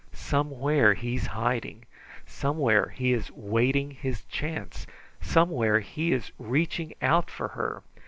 Somewhere he's hiding! Somewhere he is waiting his chance! Somewhere he is reaching out for her!